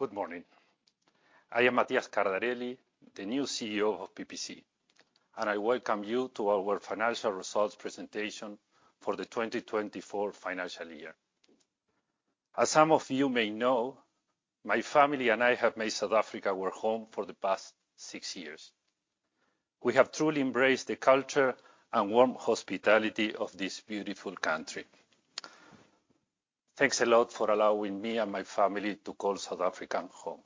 Good morning. I am Matias Cardarelli, the new CEO of PPC, and I welcome you to our financial results presentation for the 2024 financial year. As some of you may know, my family and I have made South Africa our home for the past six years. We have truly embraced the culture and warm hospitality of this beautiful country. Thanks a lot for allowing me and my family to call South Africa home.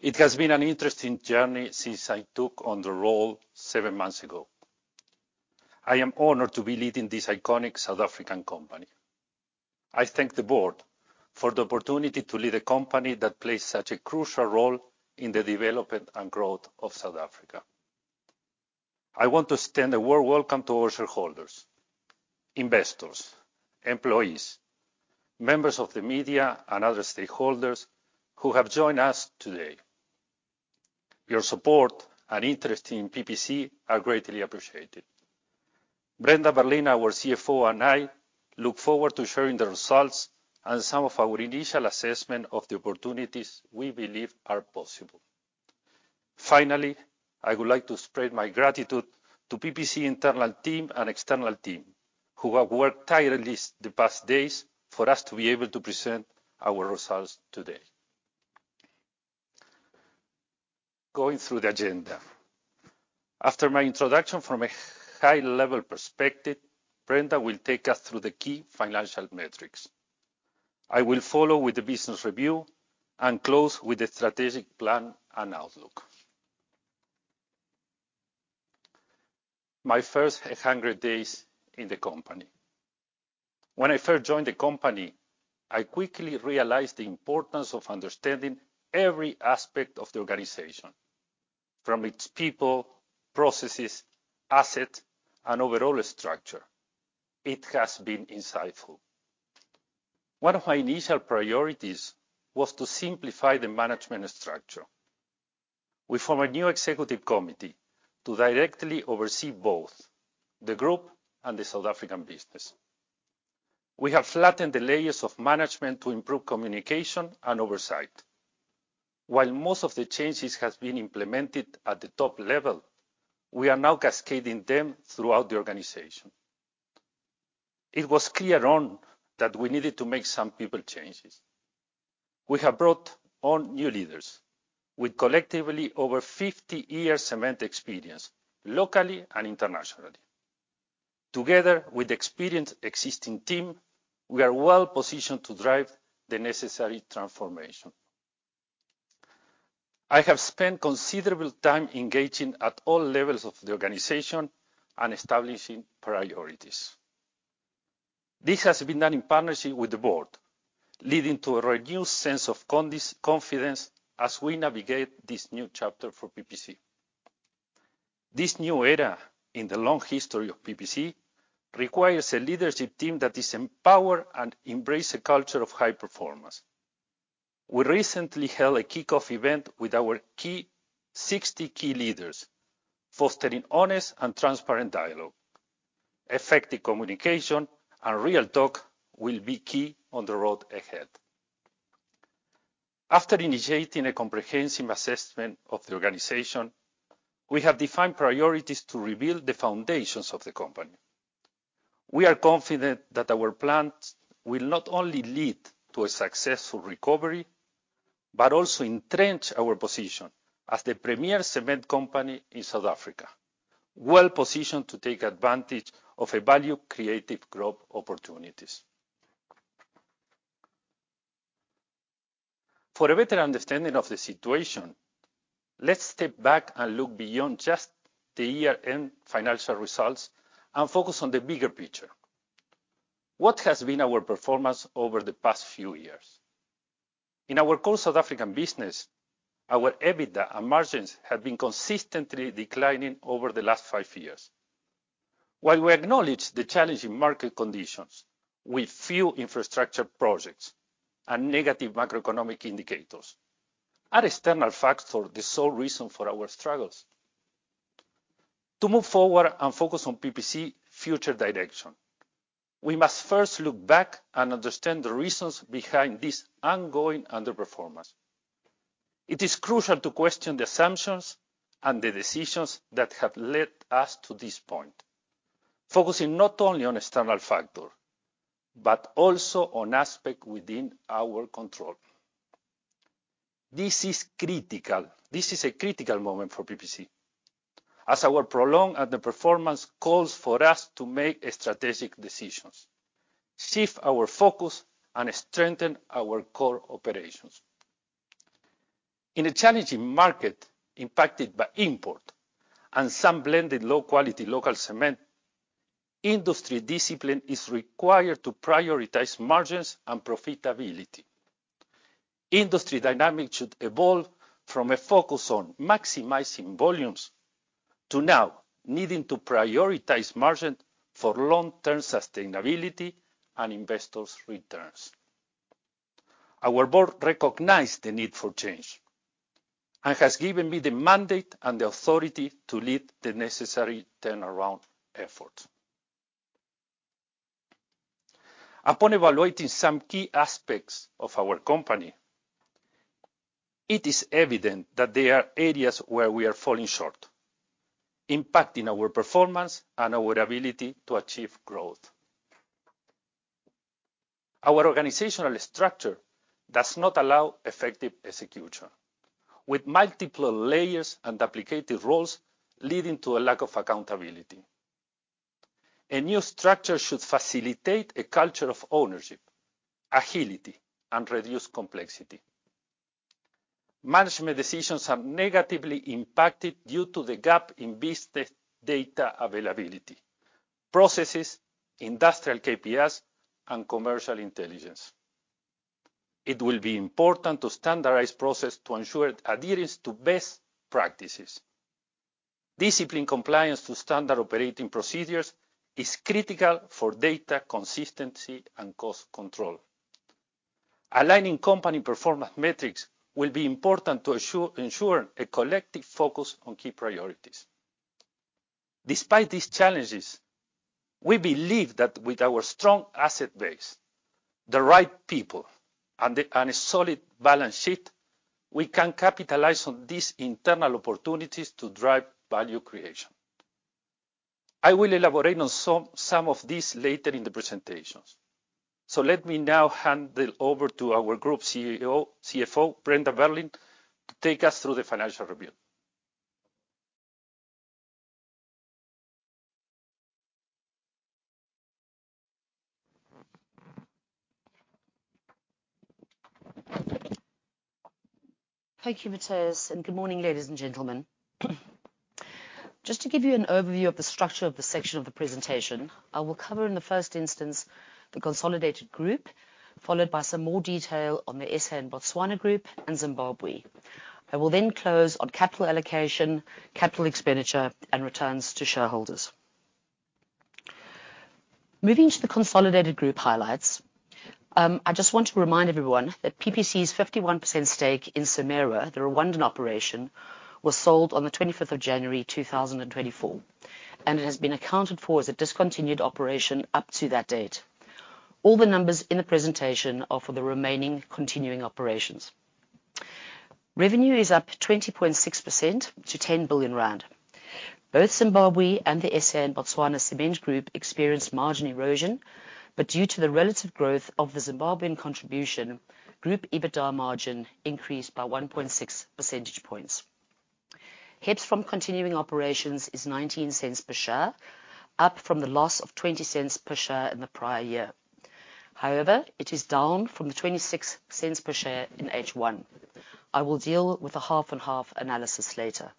It has been an interesting journey since I took on the role seven months ago. I am honored to be leading this iconic South African company. I thank the board for the opportunity to lead a company that plays such a crucial role in the development and growth of South Africa. I want to extend a warm welcome to our shareholders, investors, employees, members of the media, and other stakeholders who have joined us today. Your support and interest in PPC are greatly appreciated. Brenda Berlin, our CFO, and I look forward to sharing the results and some of our initial assessment of the opportunities we believe are possible. Finally, I would like to spread my gratitude to the PPC internal team and external team who have worked tirelessly the past days for us to be able to present our results today. Going through the agenda. After my introduction from a high-level perspective, Brenda will take us through the key financial metrics. I will follow with the business review and close with the strategic plan and outlook. My first 100 days in the company. When I first joined the company, I quickly realized the importance of understanding every aspect of the organization, from its people, processes, assets, and overall structure. It has been insightful. One of my initial priorities was to simplify the management structure. We formed a new executive committee to directly oversee both the group and the South African business. We have flattened the layers of management to improve communication and oversight. While most of the changes have been implemented at the top level, we are now cascading them throughout the organization. It was clear on that we needed to make some people changes. We have brought on new leaders with collectively over 50 years of experience locally and internationally. Together with the experienced existing team, we are well positioned to drive the necessary transformation. I have spent considerable time engaging at all levels of the organization and establishing priorities. This has been done in partnership with the board, leading to a renewed sense of confidence as we navigate this new chapter for PPC. This new era in the long history of PPC requires a leadership team that is empowered and embraces a culture of high performance. We recently held a kickoff event with our 60 key leaders, fostering honest and transparent dialogue. Effective communication and real talk will be key on the road ahead. After initiating a comprehensive assessment of the organization, we have defined priorities to rebuild the foundations of the company. We are confident that our plans will not only lead to a successful recovery but also entrench our position as the premier cement company in South Africa, well positioned to take advantage of value-creative growth opportunities. For a better understanding of the situation, let's step back and look beyond just the year-end financial results and focus on the bigger picture. What has been our performance over the past few years? In our core South African business, our EBITDA and margins have been consistently declining over the last five years. While we acknowledge the challenging market conditions with few infrastructure projects and negative macroeconomic indicators, are external factors the sole reason for our struggles? To move forward and focus on PPC's future direction, we must first look back and understand the reasons behind this ongoing underperformance. It is crucial to question the assumptions and the decisions that have led us to this point, focusing not only on external factors but also on aspects within our control. This is a critical moment for PPC, as our prolonged underperformance calls for us to make strategic decisions, shift our focus, and strengthen our core operations. In a challenging market impacted by import and some blended low-quality local cement, industry discipline is required to prioritize margins and profitability. Industry dynamics should evolve from a focus on maximizing volumes to now needing to prioritize margins for long-term sustainability and investors' returns. Our board recognized the need for change and has given me the mandate and the authority to lead the necessary turnaround efforts. Upon evaluating some key aspects of our company, it is evident that there are areas where we are falling short, impacting our performance and our ability to achieve growth. Our organizational structure does not allow effective execution, with multiple layers and duplicated roles leading to a lack of accountability. A new structure should facilitate a culture of ownership, agility, and reduce complexity. Management decisions are negatively impacted due to the gap in business data availability, processes, industrial KPIs, and commercial intelligence. It will be important to standardize processes to ensure adherence to best practices. Discipline compliance to standard operating procedures is critical for data consistency and cost control. Aligning company performance metrics will be important to ensure a collective focus on key priorities. Despite these challenges, we believe that with our strong asset base, the right people, and a solid balance sheet, we can capitalize on these internal opportunities to drive value creation. I will elaborate on some of these later in the presentations, so let me now hand it over to our Group CFO, Brenda Berlin, to take us through the financial review. Thank you, Matias, and good morning, ladies and gentlemen. Just to give you an overview of the structure of the section of the presentation, I will cover in the first instance the consolidated group, followed by some more detail on the SA and Botswana group and Zimbabwe. I will then close on capital allocation, capital expenditure, and returns to shareholders. Moving to the consolidated group highlights, I just want to remind everyone that PPC's 51% stake in CIMERWA, the Rwandan operation, was sold on the 25th January 2024, and it has been accounted for as a discontinued operation up to that date. All the numbers in the presentation are for the remaining continuing operations. Revenue is up 20.6% to 10 billion rand. Both Zimbabwe and the SA and Botswana cement group experienced margin erosion, but due to the relative growth of the Zimbabwean contribution, group EBITDA margin increased by 1.6 percentage points. HEPS from continuing operations is 0.19 per share, up from the loss of 0.20 per share in the prior year. However, it is down from 0.26 per share in H1. I will deal with a half-and-half analysis later.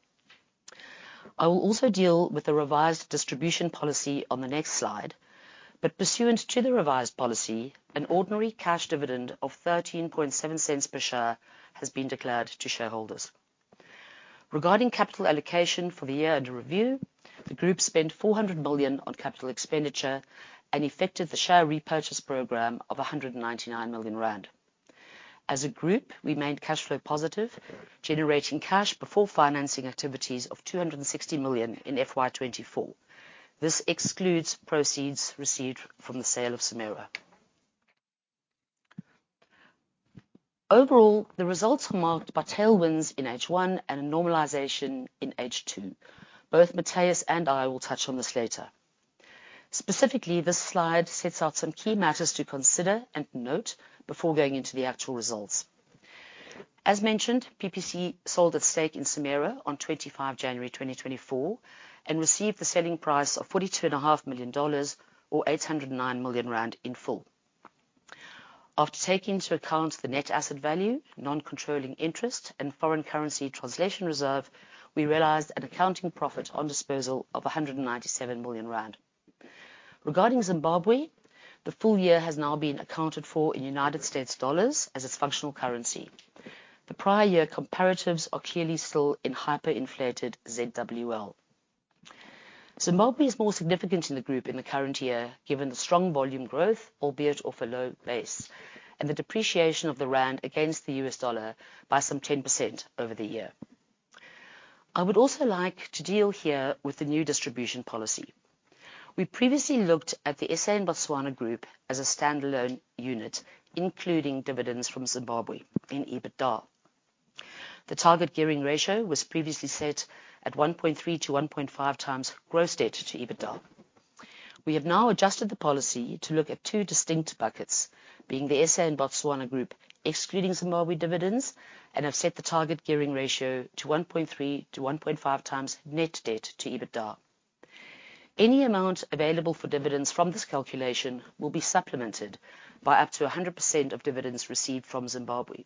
I will also deal with the revised distribution policy on the next slide, but pursuant to the revised policy, an ordinary cash dividend of 0.137 per share has been declared to shareholders. Regarding capital allocation for the year-end review, the group spent 400 million on capital expenditure and effected the share repurchase program of 199 million rand. As a group, we made cash flow positive, generating cash before financing activities of 260 million in FY2024. This excludes proceeds received from the sale of CIMERWA. Overall, the results are marked by tailwinds in H1 and a normalization in H2. Both Matias and I will touch on this later. Specifically, this slide sets out some key matters to consider and note before going into the actual results. As mentioned, PPC sold its stake in CIMERWA on 25 January 2024 and received the selling price of $42.5 million or 809 million rand in full. After taking into account the net asset value, non-controlling interest, and foreign currency translation reserve, we realized an accounting profit on disposal of 197 million rand. Regarding Zimbabwe, the full year has now been accounted for in United States dollars as its functional currency. The prior year comparatives are clearly still in hyperinflated ZWL. Zimbabwe is more significant in the group in the current year given the strong volume growth, albeit off a low base, and the depreciation of the rand against the U.S. dollar by some 10% over the year. I would also like to deal here with the new distribution policy. We previously looked at the SA and Botswana group as a standalone unit, including dividends from Zimbabwe in EBITDA. The target gearing ratio was previously set at 1.3x-1.5x gross debt to EBITDA. We have now adjusted the policy to look at two distinct buckets, being the SA and Botswana group, excluding Zimbabwe dividends, and have set the target gearing ratio to 1.3x-1.5x net debt-to-EBITDA. Any amount available for dividends from this calculation will be supplemented by up to 100% of dividends received from Zimbabwe.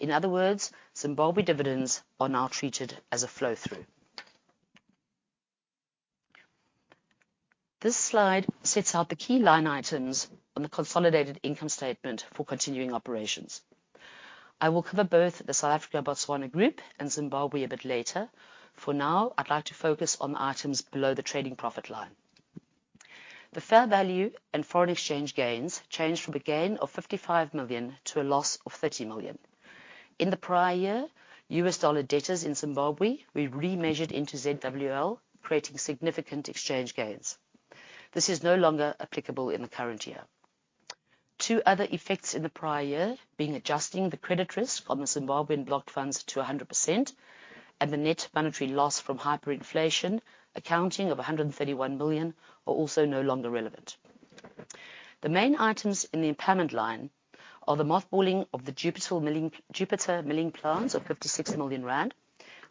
In other words, Zimbabwe dividends are now treated as a flow-through. This slide sets out the key line items on the consolidated income statement for continuing operations. I will cover both the South Africa-Botswana group and Zimbabwe a bit later. For now, I'd like to focus on items below the trading profit line. The fair value and foreign exchange gains changed from a gain of 55 million to a loss of 30 million. In the prior year, U.S. dollar debtors in Zimbabwe were remeasured into ZWL, creating significant exchange gains. This is no longer applicable in the current year. Two other effects in the prior year being adjusting the credit risk on the Zimbabwean blocked funds to 100% and the net monetary loss from hyperinflation accounting of 131 million are also no longer relevant. The main items in the impairment line are the mothballing of the Jupiter milling plants of 56 million rand.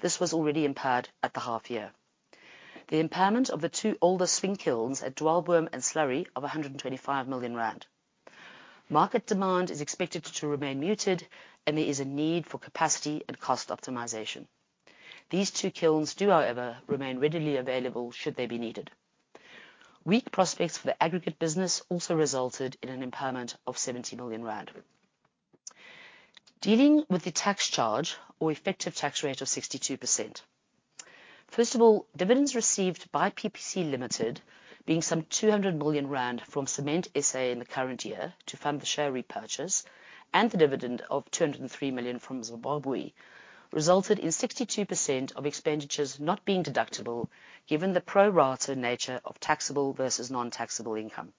This was already impaired at the half year. The impairment of the two older swing kilns at Dwaalboom and Slurry of 125 million rand. Market demand is expected to remain muted, and there is a need for capacity and cost optimization. These two kilns do, however, remain readily available should they be needed. Weak prospects for the aggregate business also resulted in an impairment of 70 million rand. Dealing with the tax charge or effective tax rate of 62%. First of all, dividends received by PPC Limited, being some 200 million rand from Cement SA in the current year to fund the share repurchase and the dividend of 203 million from Zimbabwe, resulted in 62% of expenditures not being deductible given the pro-rata nature of taxable versus non-taxable income.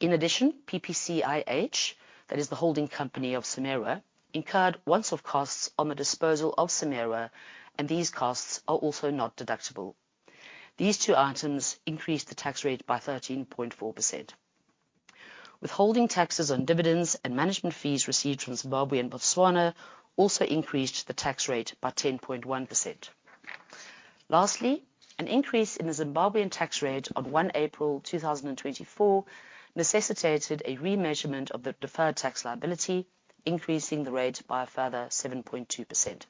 In addition, PPCIH, that is the holding company of CIMERWA, incurred one-off costs on the disposal of CIMERWA, and these costs are also not deductible. These two items increased the tax rate by 13.4%. Withholding taxes on dividends and management fees received from Zimbabwe and Botswana also increased the tax rate by 10.1%. Lastly, an increase in the Zimbabwean tax rate on 1 April 2024 necessitated a remeasurement of the deferred tax liability, increasing the rate by a further 7.2%.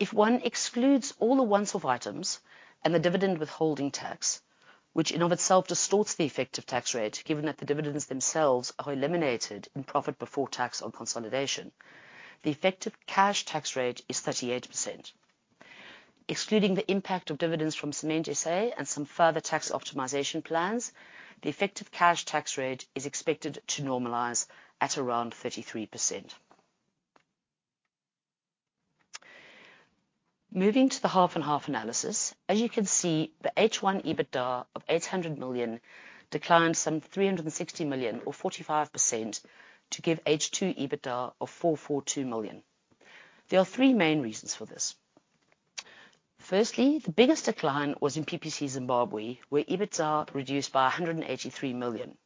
If one excludes all the one-off items and the dividend withholding tax, which in and of itself distorts the effective tax rate given that the dividends themselves are eliminated in profit before tax on consolidation, the effective cash tax rate is 38%. Excluding the impact of dividends from Cement SA and some further tax optimization plans, the effective cash tax rate is expected to normalize at around 33%. Moving to the half-and-half analysis, as you can see, the H1 EBITDA of 800 million declined some 360 million or 45% to give H2 EBITDA of 442 million. There are three main reasons for this. Firstly, the biggest decline was in PPC Zimbabwe, where EBITDA reduced by 183 million.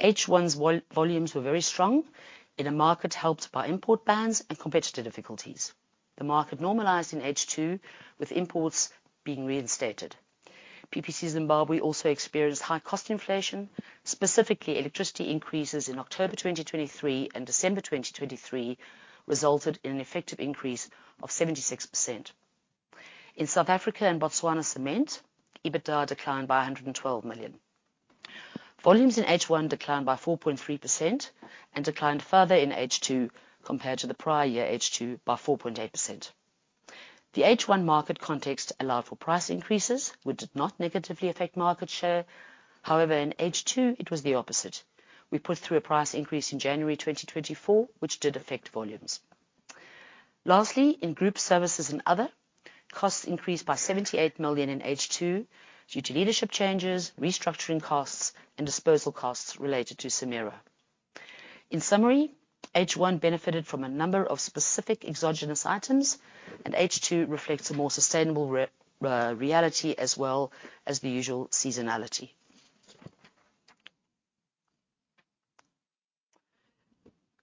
H1's volumes were very strong in a market helped by import bans and competitor difficulties. The market normalized in H2, with imports being reinstated. PPC Zimbabwe also experienced high cost inflation, specifically electricity increases in October 2023 and December 2023 resulted in an effective increase of 76%. In South Africa and Botswana cement, EBITDA declined by 112 million. Volumes in H1 declined by 4.3% and declined further in H2 compared to the prior year H2 by 4.8%. The H1 market context allowed for price increases, which did not negatively affect market share. However, in H2, it was the opposite. We put through a price increase in January 2024, which did affect volumes. Lastly, in group services and other, costs increased by 78 million in H2 due to leadership changes, restructuring costs, and disposal costs related to CIMERWA. In summary, H1 benefited from a number of specific exogenous items, and H2 reflects a more sustainable reality as well as the usual seasonality.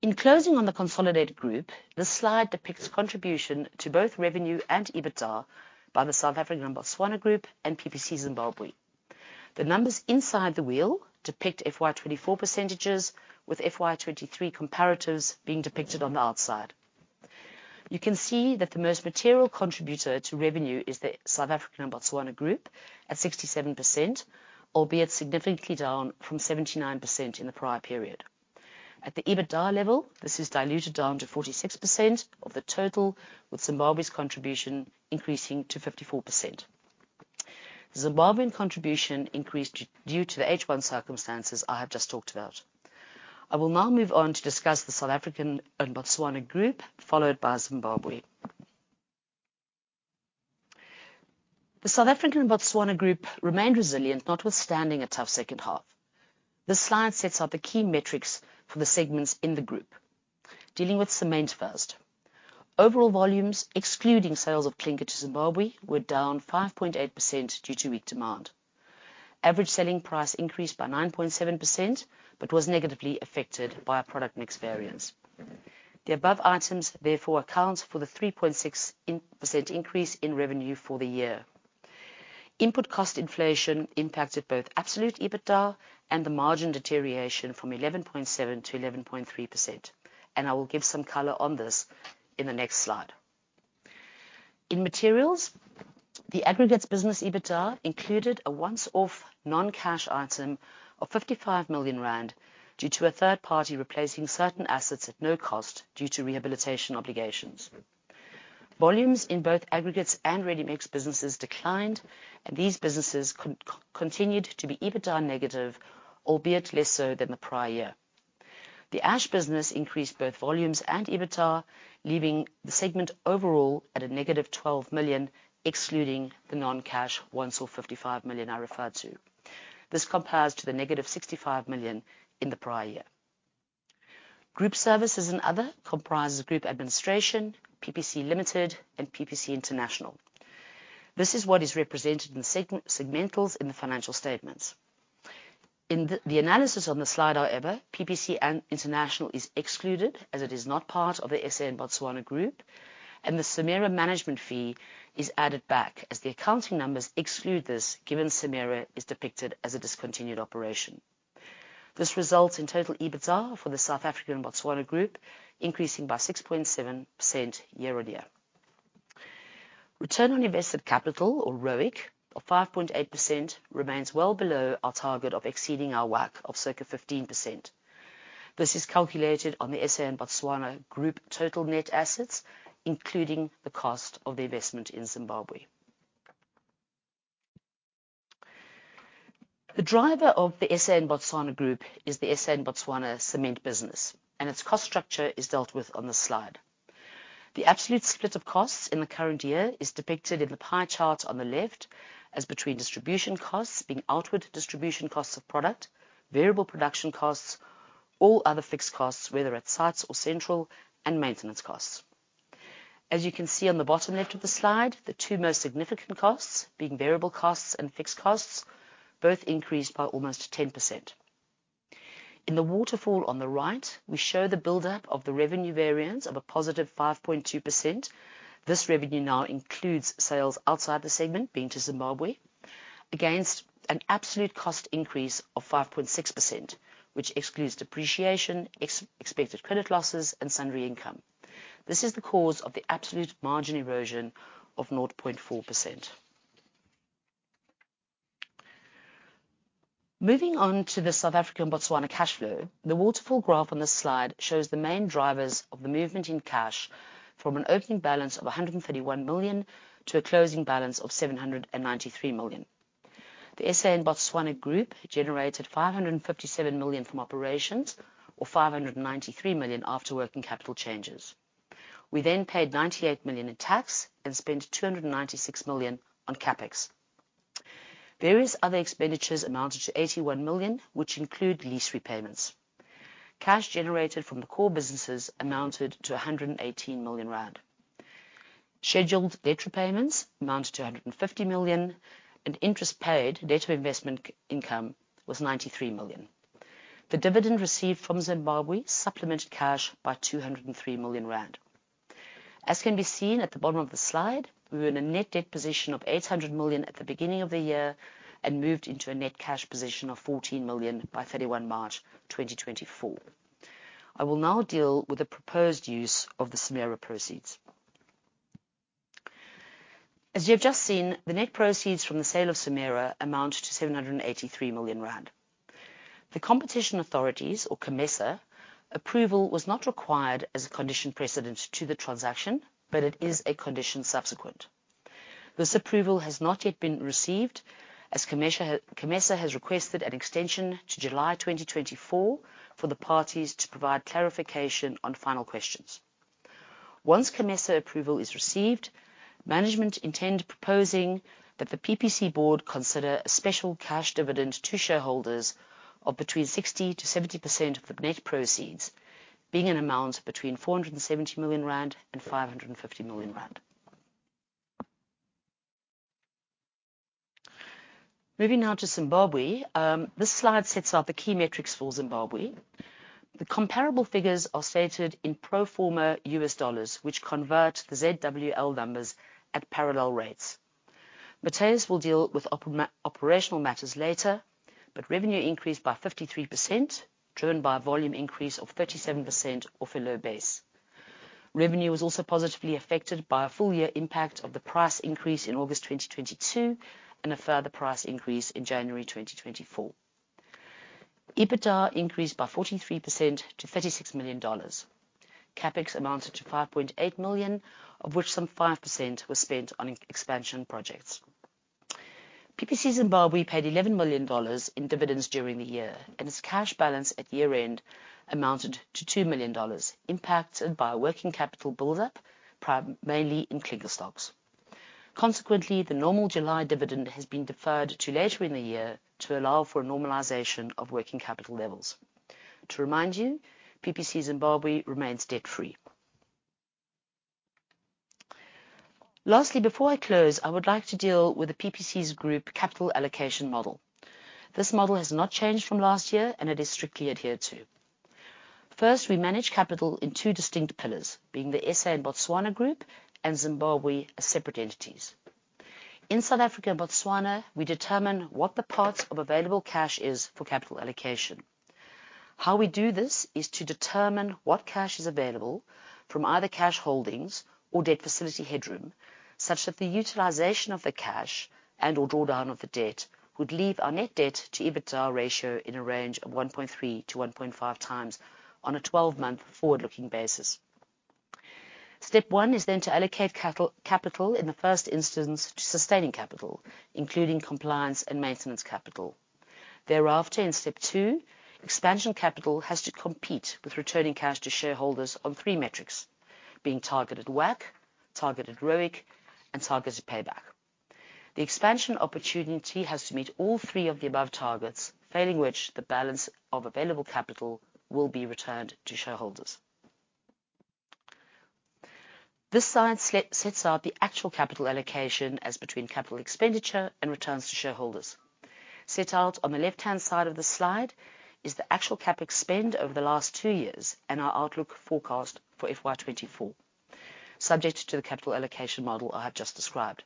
In closing on the consolidated group, this slide depicts contribution to both revenue and EBITDA by the South African and Botswana group and PPC Zimbabwe. The numbers inside the wheel depict FY2024 percentages, with FY2023 comparatives being depicted on the outside. You can see that the most material contributor to revenue is the South African and Botswana group at 67%, albeit significantly down from 79% in the prior period. At the EBITDA level, this is diluted down to 46% of the total, with Zimbabwe's contribution increasing to 54%. Zimbabwean contribution increased due to the H1 circumstances I have just talked about. I will now move on to discuss the South African and Botswana group, followed by Zimbabwe. The South African and Botswana group remained resilient, notwithstanding a tough second half. This slide sets out the key metrics for the segments in the group. Dealing with cement first. Overall volumes, excluding sales of clinker to Zimbabwe, were down 5.8% due to weak demand. Average selling price increased by 9.7% but was negatively affected by product mix variance. The above items, therefore, account for the 3.6% increase in revenue for the year. Input cost inflation impacted both absolute EBITDA and the margin deterioration from 11.7% to 11.3%, and I will give some color on this in the next slide. In materials, the aggregate business EBITDA included a one-off non-cash item of 55 million rand due to a third party replacing certain assets at no cost due to rehabilitation obligations. Volumes in both aggregates and ready mix businesses declined, and these businesses continued to be EBITDA negative, albeit less so than the prior year. The ash business increased both volumes and EBITDA, leaving the segment overall at a negative 12 million, excluding the non-cash one-off 55 million I referred to. This compares to the negative 65 million in the prior year. Group services and other comprises group administration, PPC Limited, and PPC International. This is what is represented in the segmentals in the financial statements. In the analysis on the slide, however, PPC International is excluded as it is not part of the SA and Botswana group, and the CIMERWA management fee is added back as the accounting numbers exclude this given CIMERWA is depicted as a discontinued operation. This results in total EBITDA for the South African and Botswana group increasing by 6.7% year-on-year. Return on invested capital, or ROIC, of 5.8% remains well below our target of exceeding our WACC of circa 15%. This is calculated on the SA and Botswana group total net assets, including the cost of the investment in Zimbabwe. The driver of the SA and Botswana group is the SA and Botswana cement business, and its cost structure is dealt with on the slide. The absolute split of costs in the current year is depicted in the pie chart on the left as between distribution costs being outward distribution costs of product, variable production costs, all other fixed costs, whether at sites or central, and maintenance costs. As you can see on the bottom left of the slide, the two most significant costs being variable costs and fixed costs both increased by almost 10%. In the waterfall on the right, we show the build-up of the revenue variance of a positive 5.2%. This revenue now includes sales outside the segment being to Zimbabwe against an absolute cost increase of 5.6%, which excludes depreciation, expected credit losses, and sundry income. This is the cause of the absolute margin erosion of 0.4%. Moving on to the South African and Botswana cash flow, the waterfall graph on this slide shows the main drivers of the movement in cash from an opening balance of 131 million to a closing balance of 793 million. The SA and Botswana group generated 557 million from operations or 593 million after working capital changes. We then paid 98 million in tax and spent 296 million on CapEx. Various other expenditures amounted to 81 million, which include lease repayments. Cash generated from the core businesses amounted to 118 million rand. Scheduled debt repayments amounted to 150 million, and interest paid debt to investment income was 93 million. The dividend received from Zimbabwe supplemented cash by 203 million rand. As can be seen at the bottom of the slide, we were in a net debt position of 800 million at the beginning of the year and moved into a net cash position of 14 million by 31 March 2024. I will now deal with the proposed use of the CIMERWA proceeds. As you have just seen, the net proceeds from the sale of CIMERWA amount to 783 million rand. The Competition Authorities, or COMESA, approval was not required as a condition precedent to the transaction, but it is a condition subsequent. This approval has not yet been received as COMESA has requested an extension to July 2024 for the parties to provide clarification on final questions. Once COMESA approval is received, management intend proposing that the PPC board consider a special cash dividend to shareholders of between 60%-70% of the net proceeds, being an amount between 470 million rand and 550 million rand. Moving now to Zimbabwe, this slide sets out the key metrics for Zimbabwe. The comparable figures are stated in pro forma U.S. dollars, which convert the ZWL numbers at parallel rates. Matias will deal with operational matters later, but revenue increased by 53%, driven by a volume increase of 37% off a low base. Revenue was also positively affected by a full year impact of the price increase in August 2022 and a further price increase in January 2024. EBITDA increased by 43% to ZAR 36 million. CapEx amounted to 5.8 million, of which some 5% was spent on expansion projects. PPC Zimbabwe paid ZAR 11 million in dividends during the year, and its cash balance at year-end amounted to ZAR 2 million, impacted by working capital build-up, mainly in clinker stocks. Consequently, the normal July dividend has been deferred to later in the year to allow for a normalization of working capital levels. To remind you, PPC Zimbabwe remains debt-free. Lastly, before I close, I would like to deal with the PPC's group capital allocation model. This model has not changed from last year, and it is strictly adhered to. First, we manage capital in two distinct pillars, being the SA and Botswana group and Zimbabwe as separate entities. In South Africa and Botswana, we determine what the parts of available cash are for capital allocation. How we do this is to determine what cash is available from either cash holdings or debt facility headroom, such that the utilization of the cash and/or drawdown of the debt would leave our net debt-to-EBITDA ratio in a range of 1.3x-1.5x on a 12-month forward-looking basis. Step one is then to allocate capital in the first instance to sustaining capital, including compliance and maintenance capital. Thereafter, in step two, expansion capital has to compete with returning cash to shareholders on three metrics, being targeted WACC, targeted ROIC, and targeted payback. The expansion opportunity has to meet all three of the above targets, failing which the balance of available capital will be returned to shareholders. This slide sets out the actual capital allocation as between capital expenditure and returns to shareholders. Set out on the left-hand side of the slide is the actual CapEx over the last two years and our outlook forecast for FY2024, subject to the capital allocation model I have just described.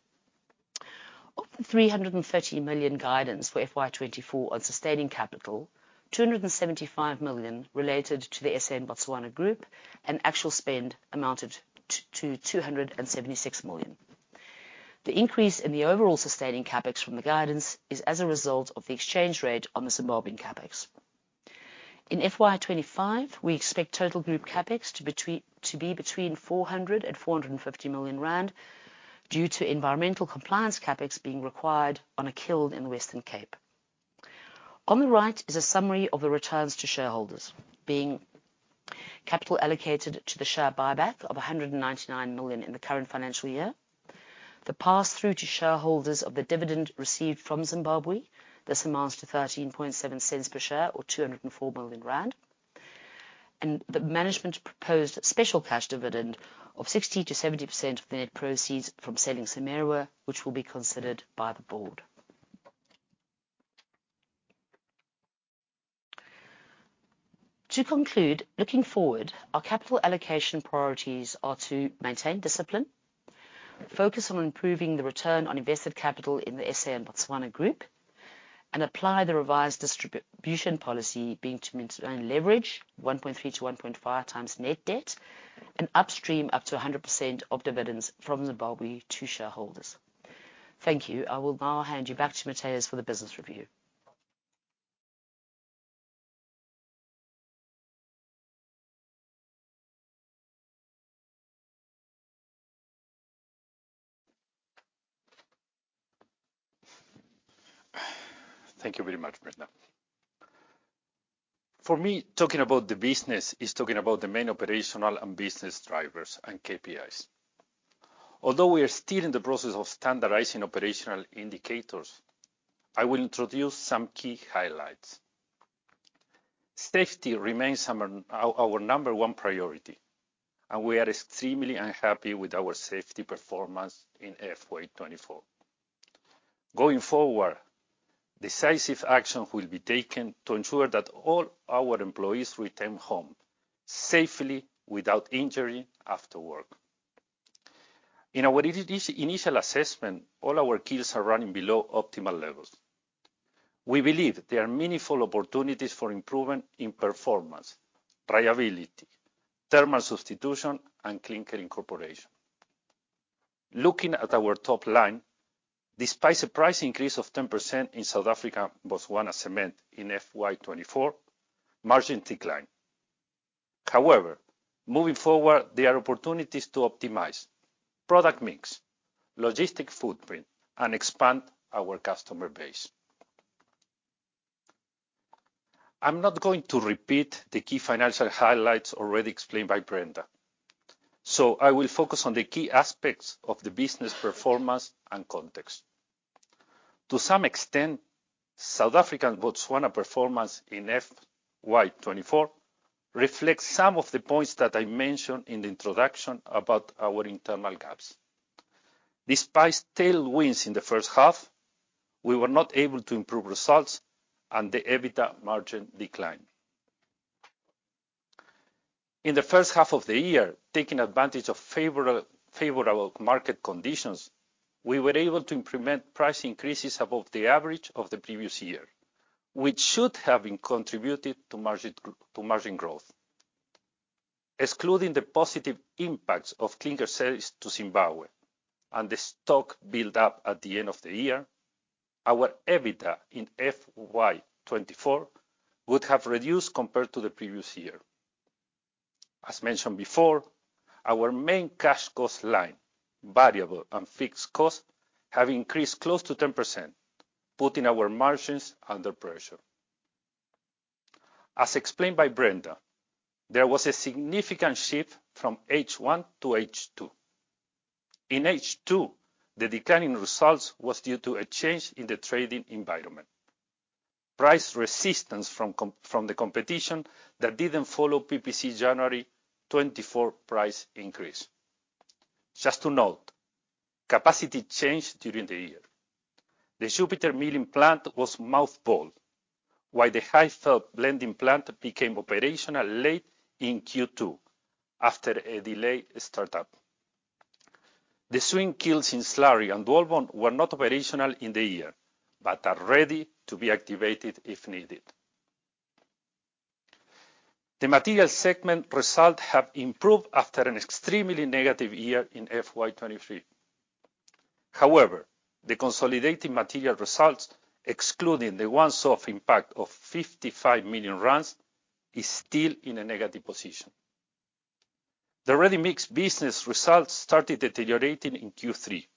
Of the 330 million guidance for FY2024 on sustaining capital, 275 million related to the SA and Botswana group and actual spend amounted to 276 million. The increase in the overall sustaining CapEx from the guidance is as a result of the exchange rate on the Zimbabwean CapEx. In FY2025, we expect total group CapEx to be between 400 million-450 million rand due to environmental compliance CapEx being required on a kiln in Western Cape. On the right is a summary of the returns to shareholders, being capital allocated to the share buyback of 199 million in the current financial year, the pass-through to shareholders of the dividend received from Zimbabwe that amounts to 13.7 per share, or 204 million rand, and the management proposed special cash dividend of 60%-70% of the net proceeds from selling CIMERWA, which will be considered by the board. To conclude, looking forward, our capital allocation priorities are to maintain discipline, focus on improving the return on invested capital in the SA and Botswana group, and apply the revised distribution policy, being to maintain leverage, 1.3x-1.5x net debt, and upstream up to 100% of dividends from Zimbabwe to shareholders. Thank you. I will now hand you back to Matias for the business review. Thank you very much, Brenda. For me, talking about the business is talking about the main operational and business drivers and KPIs. Although we are still in the process of standardizing operational indicators, I will introduce some key highlights. Safety remains our number one priority, and we are extremely unhappy with our safety performance in FY2024. Going forward, decisive action will be taken to ensure that all our employees return home safely without injury after work. In our initial assessment, all our kilns are running below optimal levels. We believe there are meaningful opportunities for improvement in performance, reliability, thermal substitution, and clinker incorporation. Looking at our top line, despite a price increase of 10% in South Africa and Botswana cement in FY2024, margin declined. However, moving forward, there are opportunities to optimize product mix, logistic footprint, and expand our customer base. I'm not going to repeat the key financial highlights already explained by Brenda, so I will focus on the key aspects of the business performance and context. To some extent, South Africa and Botswana performance in FY2024 reflects some of the points that I mentioned in the introduction about our internal gaps. Despite tailwinds in the first half, we were not able to improve results, and the EBITDA margin declined. In the first half of the year, taking advantage of favorable market conditions, we were able to implement price increases above the average of the previous year, which should have contributed to margin growth. Excluding the positive impacts of clinker sales to Zimbabwe and the stock build-up at the end of the year, our EBITDA in FY2024 would have reduced compared to the previous year. As mentioned before, our main cash cost line, variable and fixed cost, have increased close to 10%, putting our margins under pressure. As explained by Brenda, there was a significant shift from H1 to H2. In H2, the decline in results was due to a change in the trading environment, price resistance from the competition that didn't follow PPC's January 2024 price increase. Just to note, capacity changed during the year. The Jupiter milling plant was mothballed, while the Highveld blending plant became operational late in Q2 after a delayed startup. The swing kilns in Slurry and Dwaalboom were not operational in the year but are ready to be activated if needed. The material segment results have improved after an extremely negative year in FY2023. However, the consolidated material results, excluding the one-off impact of 55 million, are still in a negative position. The ready-mix business results started deteriorating in Q3,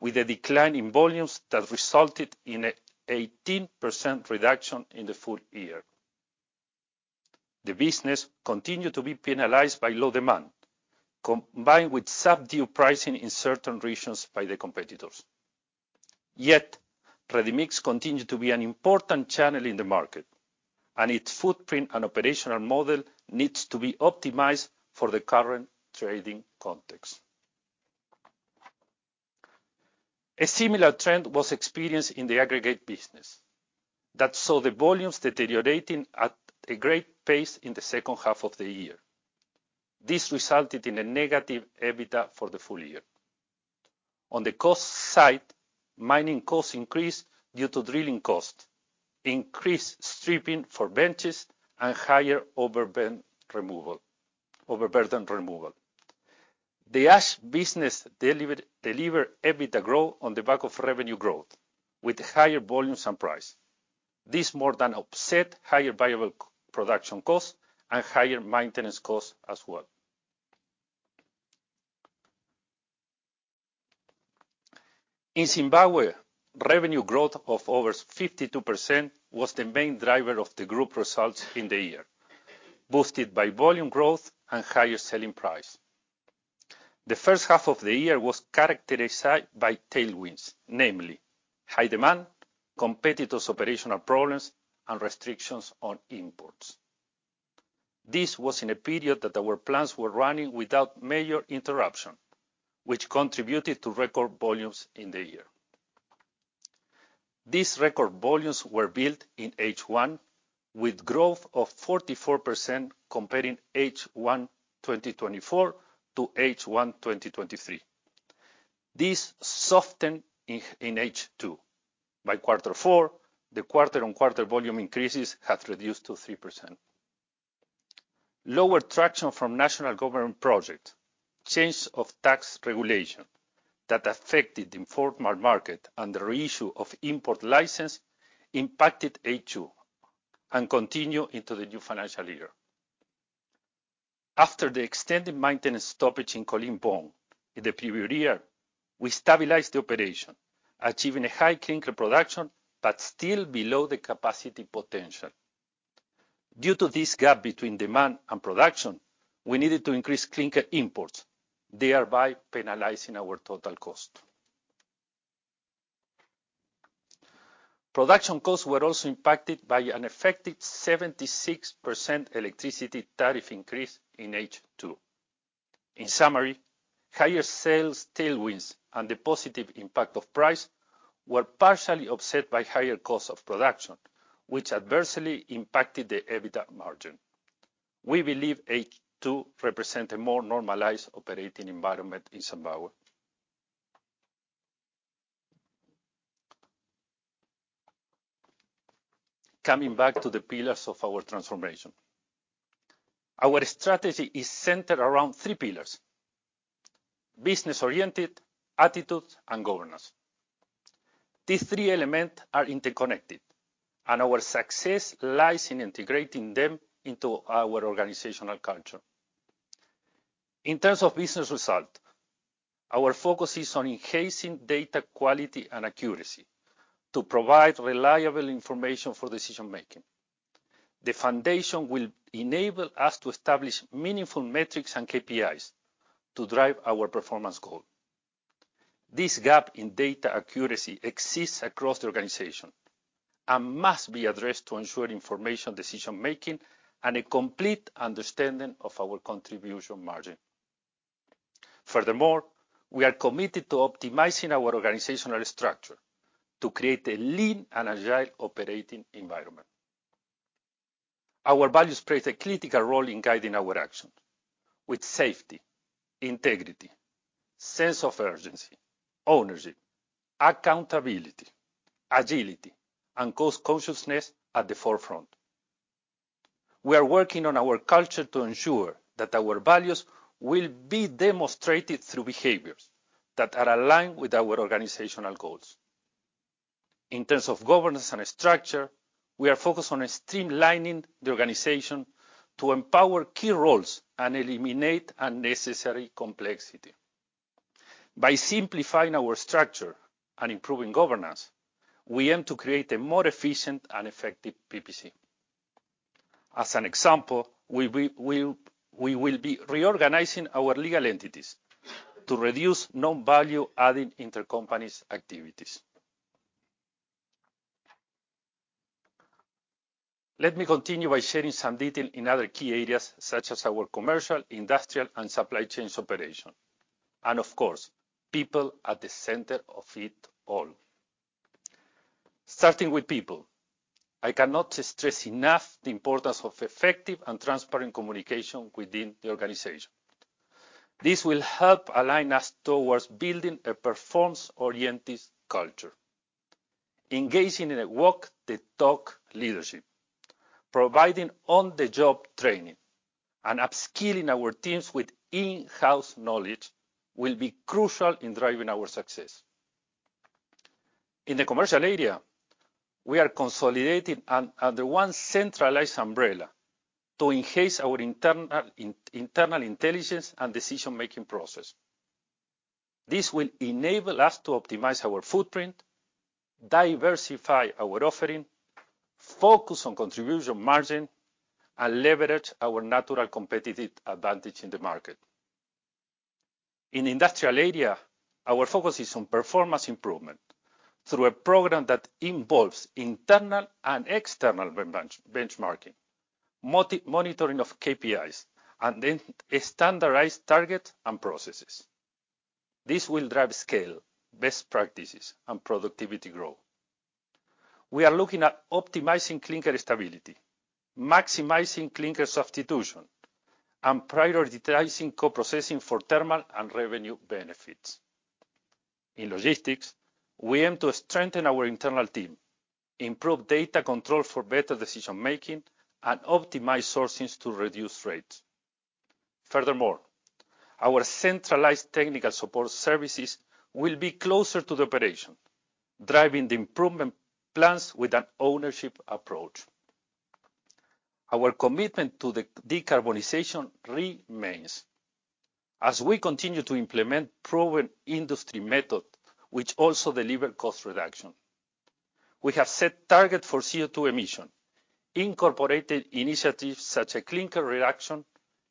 with a decline in volumes that resulted in an 18% reduction in the full year. The business continued to be penalized by low demand, combined with subdued pricing in certain regions by the competitors. Yet, ready-mix continues to be an important channel in the market, and its footprint and operational model need to be optimized for the current trading context. A similar trend was experienced in the aggregate business that saw the volumes deteriorating at a great pace in the second half of the year. This resulted in a negative EBITDA for the full year. On the cost side, mining costs increased due to drilling costs, increased stripping for benches, and higher overburden removal. The ash business delivered EBITDA growth on the back of revenue growth, with higher volumes and price. This more than offset higher variable production costs and higher maintenance costs as well. In Zimbabwe, revenue growth of over 52% was the main driver of the group results in the year, boosted by volume growth and higher selling price. The first half of the year was characterized by tailwinds, namely high demand, competitors' operational problems, and restrictions on imports. This was in a period that our plants were running without major interruption, which contributed to record volumes in the year. These record volumes were built in H1, with growth of 44% comparing H1 2024 to H1 2023. This softened in H2. By quarter four, the quarter-on-quarter volume increases had reduced to 3%. Lower traction from national government projects, change of tax regulation that affected the informal market, and the reissue of import license impacted H2 and continued into the new financial year. After the extended maintenance stoppage in Colleen Bawn in the previous year, we stabilized the operation, achieving a high clinker production but still below the capacity potential. Due to this gap between demand and production, we needed to increase clinker imports, thereby penalizing our total cost. Production costs were also impacted by an effective 76% electricity tariff increase in H2. In summary, higher sales tailwinds and the positive impact of price were partially offset by higher costs of production, which adversely impacted the EBITDA margin. We believe H2 represents a more normalized operating environment in Zimbabwe. Coming back to the pillars of our transformation, our strategy is centered around three pillars: business-oriented, attitude, and governance. These three elements are interconnected, and our success lies in integrating them into our organizational culture. In terms of business results, our focus is on enhancing data quality and accuracy to provide reliable information for decision-making. The foundation will enable us to establish meaningful metrics and KPIs to drive our performance goal. This gap in data accuracy exists across the organization and must be addressed to ensure informed decision-making and a complete understanding of our contribution margin. Furthermore, we are committed to optimizing our organizational structure to create a lean and agile operating environment. Our values play a critical role in guiding our actions, with safety, integrity, sense of urgency, ownership, accountability, agility, and cost consciousness at the forefront. We are working on our culture to ensure that our values will be demonstrated through behaviors that are aligned with our organizational goals. In terms of governance and structure, we are focused on streamlining the organization to empower key roles and eliminate unnecessary complexity. By simplifying our structure and improving governance, we aim to create a more efficient and effective PPC. As an example, we will be reorganizing our legal entities to reduce non-value-adding intercompany activities. Let me continue by sharing some details in other key areas, such as our commercial, industrial, and supply chain operation, and of course, people at the center of it all. Starting with people, I cannot stress enough the importance of effective and transparent communication within the organization. This will help align us towards building a performance-oriented culture. Engaging in a walk-the-talk leadership, providing on-the-job training, and upskilling our teams with in-house knowledge will be crucial in driving our success. In the commercial area, we are consolidating under one centralized umbrella to enhance our internal intelligence and decision-making process. This will enable us to optimize our footprint, diversify our offering, focus on contribution margin, and leverage our natural competitive advantage in the market. In the industrial area, our focus is on performance improvement through a program that involves internal and external benchmarking, monitoring of KPIs, and then standardized targets and processes. This will drive scale, best practices, and productivity growth. We are looking at optimizing clinker stability, maximizing clinker substitution, and prioritizing co-processing for thermal and revenue benefits. In logistics, we aim to strengthen our internal team, improve data control for better decision-making, and optimize sourcing to reduce rates. Furthermore, our centralized technical support services will be closer to the operation, driving the improvement plans with an ownership approach. Our commitment to decarbonization remains as we continue to implement proven industry methods, which also deliver cost reduction. We have set targets for CO2 emission, incorporating initiatives such as clinker reduction,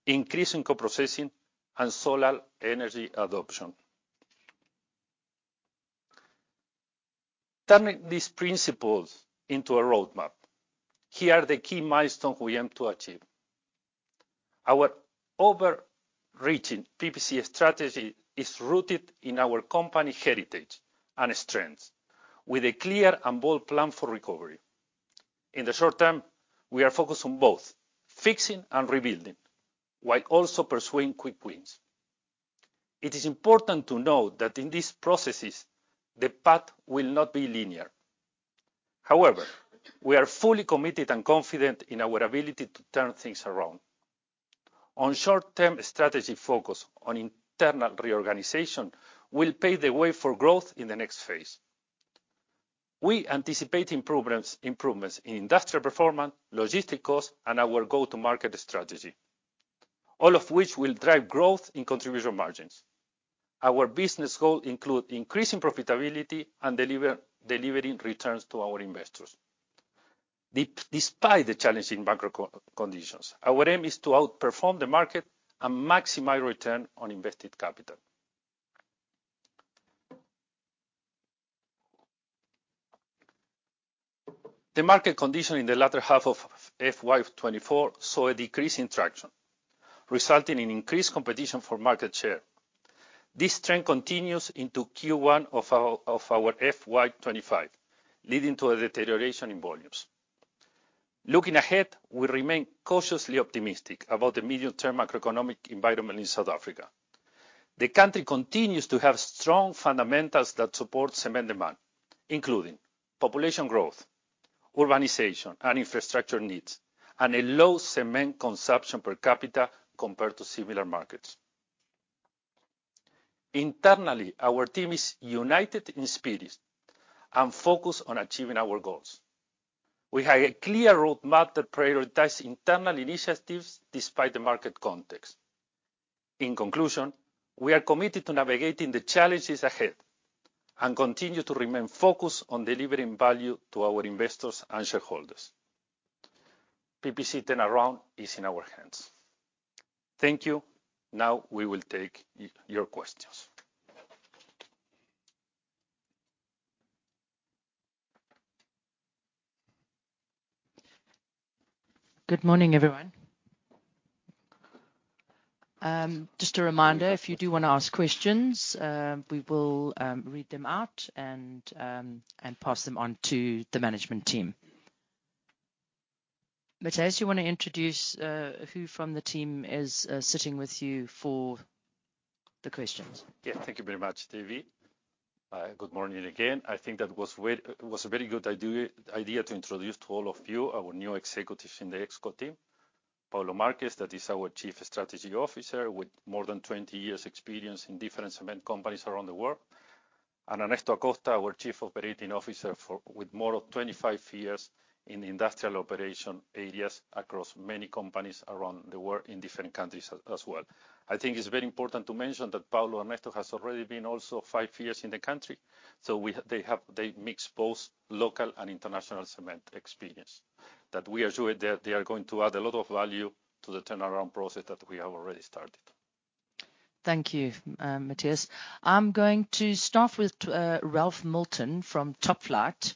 increasing co-processing, and solar energy adoption. Turning these principles into a roadmap, here are the key milestones we aim to achieve. Our overarching PPC strategy is rooted in our company heritage and strengths, with a clear and bold plan for recovery. In the short term, we are focused on both fixing and rebuilding while also pursuing quick wins. It is important to note that in these processes, the path will not be linear. However, we are fully committed and confident in our ability to turn things around. Our short-term strategy focus on internal reorganization will pave the way for growth in the next phase. We anticipate improvements in industrial performance, logistic costs, and our go-to-market strategy, all of which will drive growth in contribution margins. Our business goals include increasing profitability and delivering returns to our investors. Despite the challenging macro conditions, our aim is to outperform the market and maximize return on invested capital. The market condition in the latter half of FY2024 saw a decrease in traction, resulting in increased competition for market share. This trend continues into Q1 of our FY2025, leading to a deterioration in volumes. Looking ahead, we remain cautiously optimistic about the medium-term macroeconomic environment in South Africa. The country continues to have strong fundamentals that support cement demand, including population growth, urbanization, and infrastructure needs, and a low cement consumption per capita compared to similar markets. Internally, our team is united in spirit and focused on achieving our goals. We have a clear roadmap that prioritizes internal initiatives despite the market context. In conclusion, we are committed to navigating the challenges ahead and continue to remain focused on delivering value to our investors and shareholders. PPC turnaround is in our hands. Thank you. Now we will take your questions. Good morning, everyone. Just a reminder, if you do want to ask questions, we will read them out and pass them on to the management team. Matias, do you want to introduce who from the team is sitting with you for the questions? Yeah, thank you very much, Brenda. Good morning again. I think that was a very good idea to introduce to all of you our new executives in the Exco team. Paulo Marques, that is our Chief Strategy Officer with more than 20 years' experience in different cement companies around the world. And Ernesto Acosta, our Chief Operating Officer with more than 25 years in industrial operation areas across many companies around the world in different countries as well. I think it's very important to mention that Paulo and Ernesto have already been also five years in the country, so they mix both local and international cement experience. That we are sure they are going to add a lot of value to the turnaround process that we have already started. Thank you, Matias. I'm going to start with Ralph Milton from Topflight,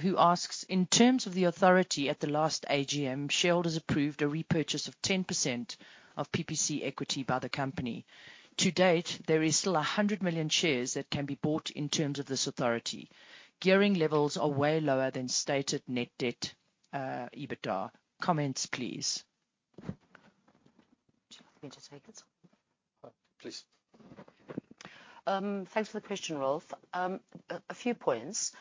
who asks, in terms of the authority at the last AGM, shareholders has approved a repurchase of 10% of PPC equity by the company. To date, there are still 100 million shares that can be bought in terms of this authority. Gearing levels are way lower than stated net debt-EBITDA. Comments, please. Thanks for the question, Ralph. A few points.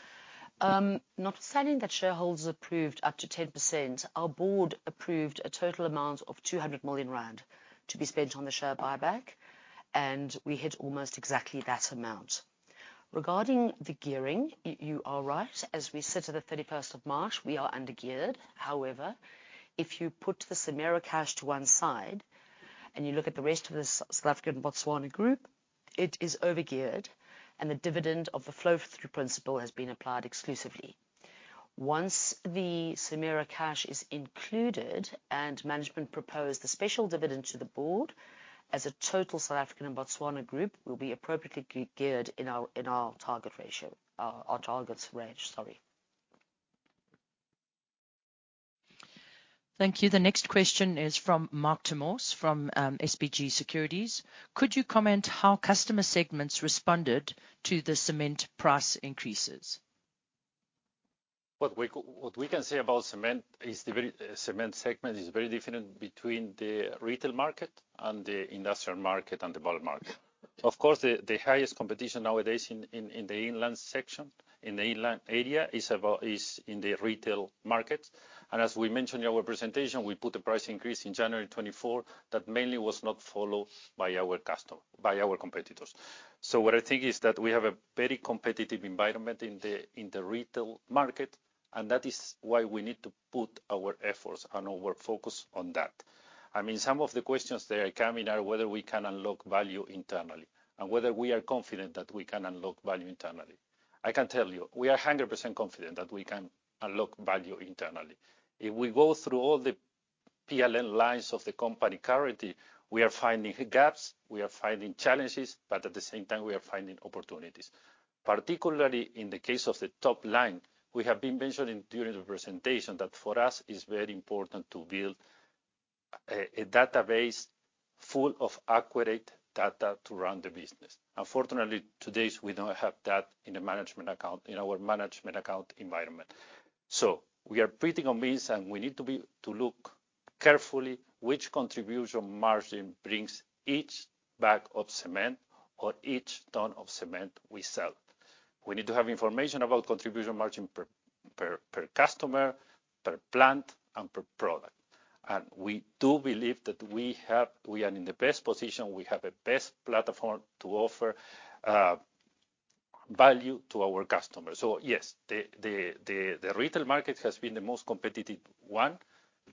Notwithstanding that shareholders approved up to 10%, our board approved a total amount of 200 million rand to be spent on the share buyback, and we hit almost exactly that amount. Regarding the gearing, you are right. As we sit at the 31st of March, we are under-geared. However, if you put the CIMERWA cash to one side and you look at the rest of the South African Botswana Group, it is over-geared, and the dividend of the flow-through principle has been applied exclusively. Once the CIMERWA cash is included and management proposed the special dividend to the board, as a total South African and Botswana Group will be appropriately geared in our target ratio, our target range, sorry. Thank you. The next question is from Mark Ter Mors from SBG Securities. Could you comment on how customer segments responded to the cement price increases? What we can say about cement is the cement segment is very different between the retail market and the industrial market and the bulk market. Of course, the highest competition nowadays in the inland section, in the inland area, is in the retail markets. As we mentioned in our presentation, we put the price increase in January 2024 that mainly was not followed by our competitors. What I think is that we have a very competitive environment in the retail market, and that is why we need to put our efforts and our focus on that. I mean, some of the questions that are coming are whether we can unlock value internally and whether we are confident that we can unlock value internally. I can tell you, we are 100% confident that we can unlock value internally. If we go through all the P&L lines of the company currently, we are finding gaps, we are finding challenges, but at the same time, we are finding opportunities. Particularly in the case of the top line, we have been mentioning during the presentation that for us, it's very important to build a database full of accurate data to run the business. Unfortunately, today we don't have that in our management account environment. So we are pretty convinced and we need to look carefully at which contribution margin brings each bag of cement or each ton of cement we sell. We need to have information about contribution margin per customer, per plant, and per product. And we do believe that we are in the best position. We have a best platform to offer value to our customers. So yes, the retail market has been the most competitive one.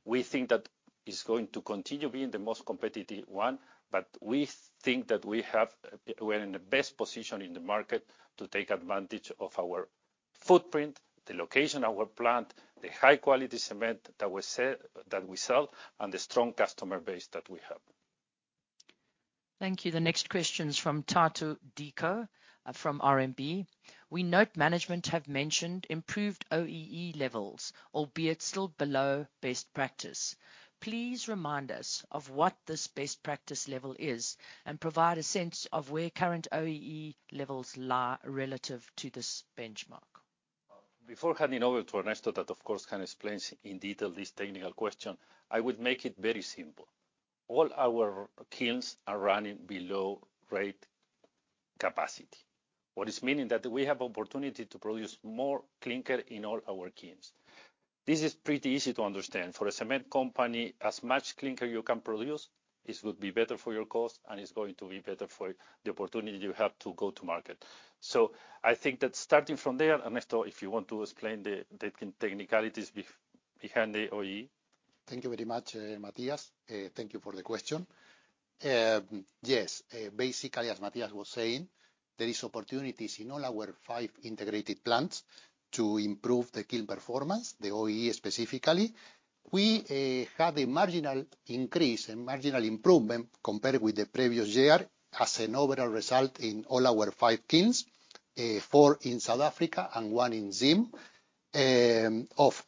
We think that it's going to continue being the most competitive one, but we think that we are in the best position in the market to take advantage of our footprint, the location, our plant, the high-quality cement that we sell, and the strong customer base that we have. Thank you. The next question is from Thato Diko from RMB. We note management have mentioned improved OEE levels, albeit still below best practice. Please remind us of what this best practice level is and provide a sense of where current OEE levels lie relative to this benchmark. Before handing over to Ernesto, that of course can explain in detail this technical question, I would make it very simple. All our kilns are running below rate capacity, which means that we have the opportunity to produce more clinkers in all our kilns. This is pretty easy to understand. For a cement company, as much clinker you can produce, it would be better for your cost and it's going to be better for the opportunity you have to go to market. So I think that starting from there, Ernesto, if you want to explain the technicalities behind the OEE. Thank you very much, Matias. Thank you for the question. Yes, basically, as Matias was saying, there are opportunities in all our five integrated plants to improve the kiln performance, the OEE specifically. We had a marginal increase and marginal improvement compared with the previous year as an overall result in all our five kilns, four in South Africa and one in ZIM, of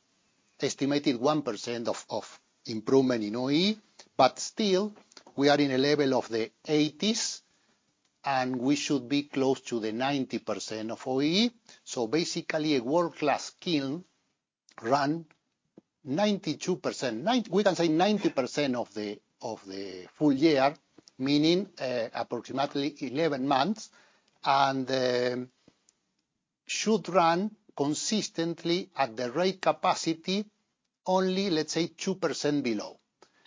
estimated 1% of improvement in OEE. But still, we are in a level of the 80s and we should be close to the 90% of OEE. So basically, a world-class kiln ran 92%, we can say 90% of the full year, meaning approximately 11 months, and should run consistently at the rate capacity only, let's say, 2% below.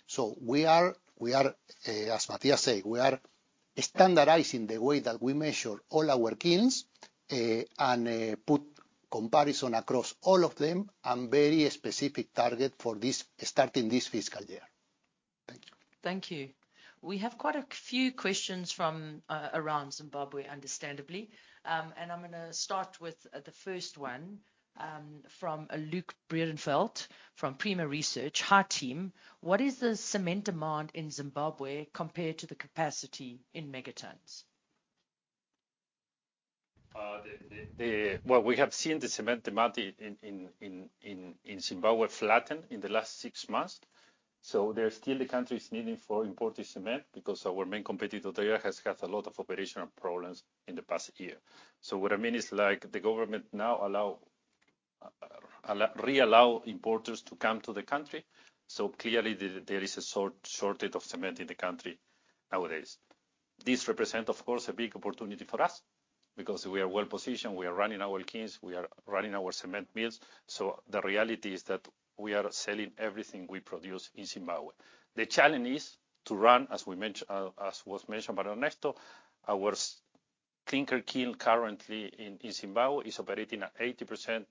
So we are, as Matias said, we are standardizing the way that we measure all our kilns and put comparison across all of them and very specific target for this starting this fiscal year. Thank you. Thank you. We have quite a few questions from around Zimbabwe, understandably. I'm going to start with the first one from Luke Bredeveldt from Prima Research. Her team, what is the cement demand in Zimbabwe compared to the capacity in megatons? Well, we have seen the cement demand in Zimbabwe flatten in the last six months. So there are still countries needing for imported cement because our main competitor there has had a lot of operational problems in the past year. So what I mean is like the government now reallows importers to come to the country. So clearly, there is a shortage of cement in the country nowadays. This represents, of course, a big opportunity for us because we are well-positioned. We are running our kilns. We are running our cement mills. So the reality is that we are selling everything we produce in Zimbabwe. The challenge is to run, as was mentioned by Ernesto, our clinker kiln currently in Zimbabwe is operating at 80%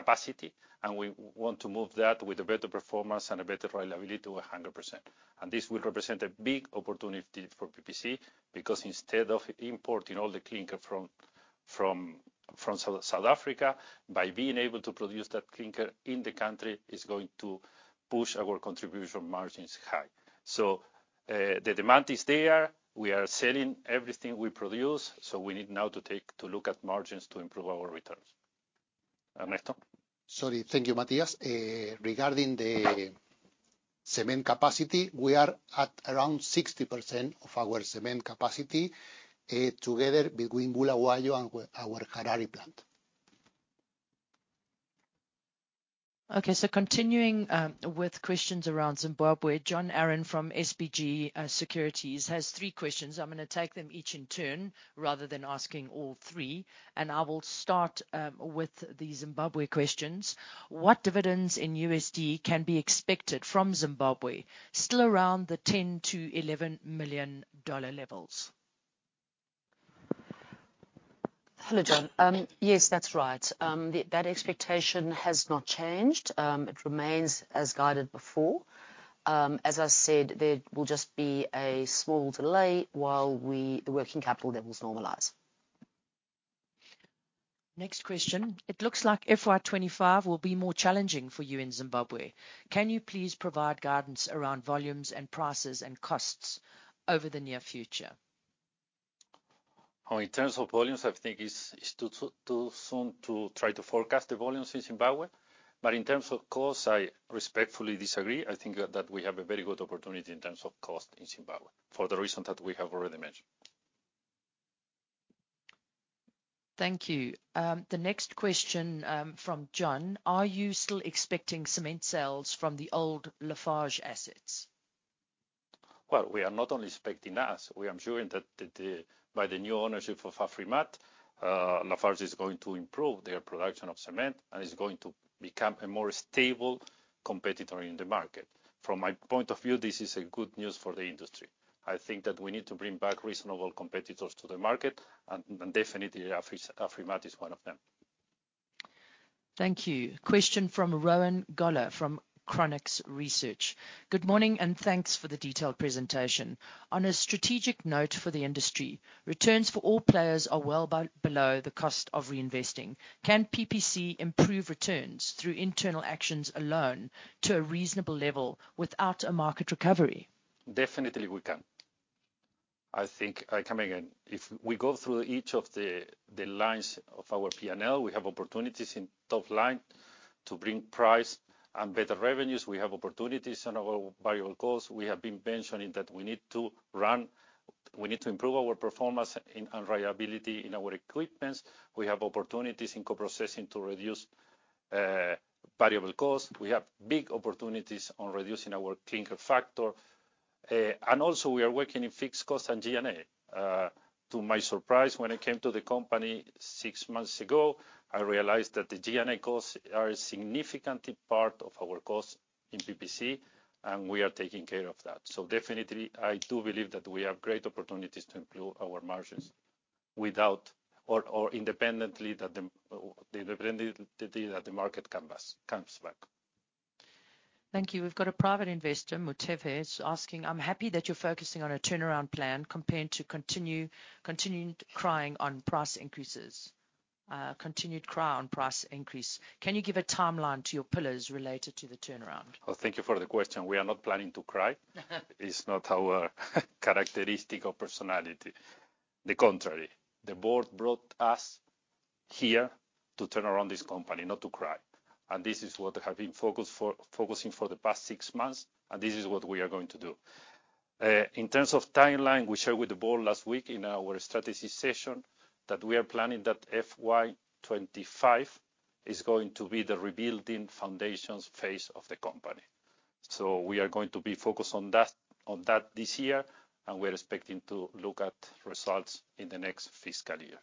capacity, and we want to move that with a better performance and a better reliability to 100%. And this will represent a big opportunity for PPC because instead of importing all the clinker from South Africa, by being able to produce that clinker in the country, it's going to push our contribution margins high. So the demand is there. We are selling everything we produce, so we need now to look at margins to improve our returns. Ernesto? Sorry, thank you, Matias. Regarding the cement capacity, we are at around 60% of our cement capacity together between Bulawayo and our Harare plant. Okay, so continuing with questions around Zimbabwe, John Aaron from SBG Securities has three questions. I'm going to take them each in turn rather than asking all three. I will start with the Zimbabwe questions. What dividends in USD can be expected from Zimbabwe? Still around the $10 million-$11 million levels. Hello, John. Yes, that's right. That expectation has not changed. It remains as guided before. As I said, there will just be a small delay while the working capital levels normalize. Next question. It looks like FY2025 will be more challenging for you in Zimbabwe. Can you please provide guidance around volumes and prices and costs over the near future? In terms of volumes, I think it's too soon to try to forecast the volumes in Zimbabwe. But in terms of costs, I respectfully disagree. I think that we have a very good opportunity in terms of cost in Zimbabwe for the reason that we have already mentioned. Thank you. The next question from John. Are you still expecting cement sales from the old Lafarge assets? Well, we are not only expecting us. We are assuring that by the new ownership of Afrimat, Lafarge is going to improve their production of cement and is going to become a more stable competitor in the market. From my point of view, this is good news for the industry. I think that we need to bring back reasonable competitors to the market, and definitely Afrimat is one of them. Thank you. Question from Rowan Goeller from Chronux Research. Good morning and thanks for the detailed presentation. On a strategic note for the industry, returns for all players are well below the cost of reinvesting. Can PPC improve returns through internal actions alone to a reasonable level without a market recovery? Definitely, we can. I think, again, if we go through each of the lines of our P&L, we have opportunities in top line to bring price and better revenues. We have opportunities on our variable costs. We have been mentioning that we need to improve our performance and reliability in our equipments. We have opportunities in co-processing to reduce variable costs. We have big opportunities on reducing our clinker factor. And also, we are working on fixed costs and G&A. To my surprise, when I came to the company six months ago, I realized that the G&A costs are a significant part of our costs in PPC, and we are taking care of that. So definitely, I do believe that we have great opportunities to improve our margins without or independently of the market coming back. Thank you. We've got a private investor, Motefes, asking, "I'm happy that you're focusing on a turnaround plan compared to continued crying on price increases. Continued cry on price increase. Can you give a timeline to your pillars related to the turnaround?" Thank you for the question. We are not planning to cry. It's not our characteristic or personality. The contrary. The board brought us here to turn around this company, not to cry. And this is what we have been focusing on for the past six months, and this is what we are going to do. In terms of timeline, we shared with the board last week in our strategy session that we are planning that FY2025 is going to be the rebuilding foundations phase of the company. So we are going to be focused on that this year, and we are expecting to look at results in the next fiscal year.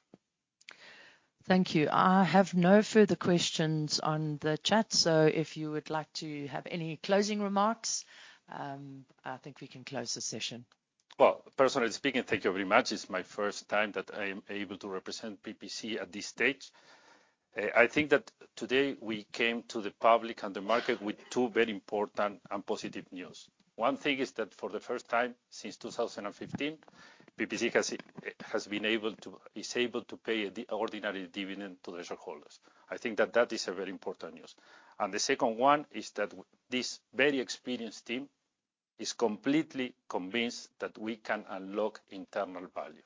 Thank you. I have no further questions on the chat, so if you would like to have any closing remarks, I think we can close the session. Well, personally speaking, thank you very much. It's my first time that I am able to represent PPC at this stage. I think that today we came to the public and the market with two very important and positive news. One thing is that for the first time since 2015, PPC has been able to pay an ordinary dividend to the shareholders. I think that that is a very important news. And the second one is that this very experienced team is completely convinced that we can unlock internal value.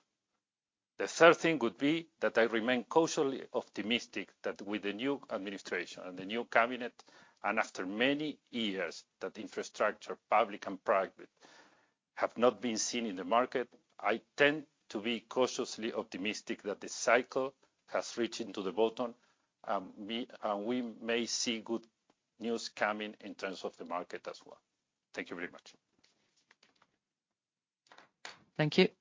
The third thing would be that I remain cautiously optimistic that with the new administration and the new cabinet, and after many years that infrastructure, public and private, have not been seen in the market, I tend to be cautiously optimistic that the cycle has reached into the bottom and we may see good news coming in terms of the market as well. Thank you very much. Thank you.